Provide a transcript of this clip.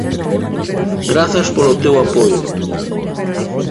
Grazas polo teu apoio.